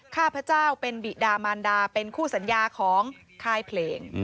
ข้าพเจ้าเป็นบิดามานดาเป็นคู่สัญญาของค่ายเพลง